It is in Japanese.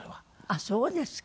あっそうですか。